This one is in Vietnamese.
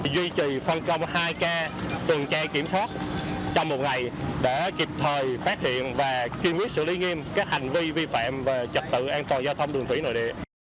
duy trì phân công hai ca tuần tra kiểm soát trong một ngày để kịp thời phát hiện và kiên quyết xử lý nghiêm các hành vi vi phạm về trật tự an toàn giao thông đường thủy nội địa